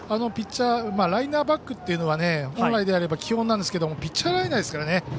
ライナーバックは本来であれば基本なんですけどピッチャーライナーですからね。